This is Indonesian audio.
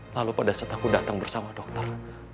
lalu pada saat aku datang bersama dokter